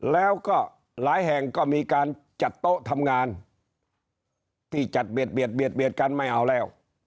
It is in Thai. แล้วก็หลายแห่งก็มีการจัดโต๊ะทำงานที่จัดเบียดกันไม่เอาแล้ว